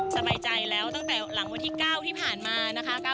สบายใจแล้วตั้งแต่หลังวันที่๙ที่ผ่านมานะคะ